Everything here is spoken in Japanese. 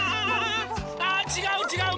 あちがうちがう！